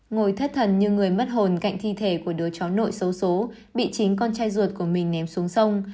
ngồi thất thần như người mất hồn cạnh thi thể của đứa cháu nội xấu xố bị chính con trai ruột của mình ném xuống sông